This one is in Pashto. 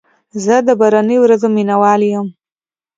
زه د باراني ورځو مینه وال یم.